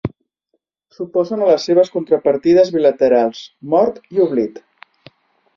S'oposen a les seves contrapartides bilaterals Mort i Oblit.